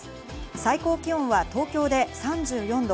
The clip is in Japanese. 最高気温は東京で３４度。